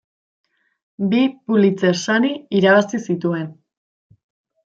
Bi Pulitzer sari irabazi zituen.